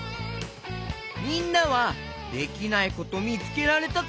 みんなはできないことみつけられたかな？